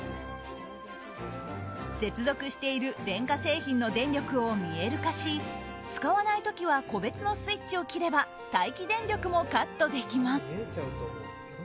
接続している電化製品の電力を見える化し使わない時は個別のスイッチを切れば待機電力もカットできます。